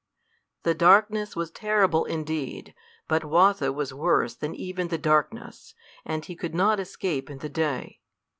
The darkness was terrible indeed, but Watho was worse than even the darkness, and he could not escape in the day.